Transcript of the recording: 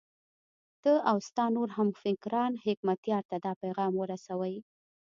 ته او ستا نور همفکران حکمتیار ته دا پیغام ورسوئ.